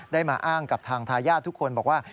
มาอ้างกับทางทายาททุกคนบอกว่า